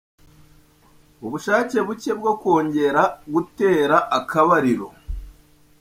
Ubushake buke bwo kongera gutera akabariro